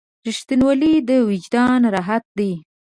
• رښتینولی د وجدان راحت دی.